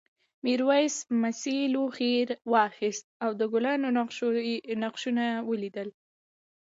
میرويس مسي لوښی واخیست او د ګلانو نقشونه ولیدل.